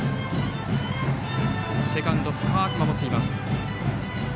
セカンド、深く守っています。